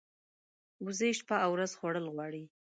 وزې شپه او ورځ خوړل غواړي